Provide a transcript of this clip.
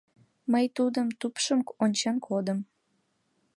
Мый тудын тупшым ончен кодым.